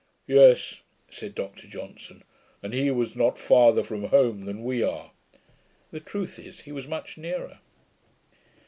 'Yes,' said Dr Johnson, 'and he was not farther from home than we are.' The truth is, he was much nearer.